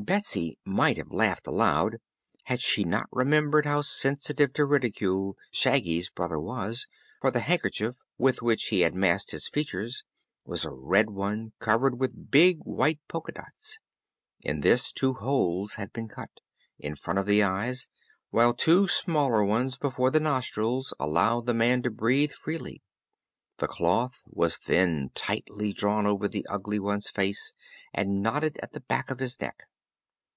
Betsy might have laughed aloud had she not remembered how sensitive to ridicule Shaggy's brother was, for the handkerchief with which he had masked his features was a red one covered with big white polka dots. In this two holes had been cut in front of the eyes while two smaller ones before the nostrils allowed the man to breathe freely. The cloth was then tightly drawn over the Ugly One's face and knotted at the back of his neck.